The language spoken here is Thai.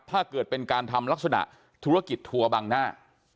ถ้าเกิดเป็นการทำลักษณะธุรกิจทัวร์บังหน้า